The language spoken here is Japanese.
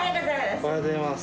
おはようございます。